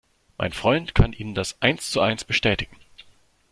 Mein Freund kann Ihnen das eins zu eins bestätigen.